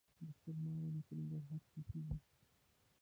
د خرما ونې په ننګرهار کې کیږي؟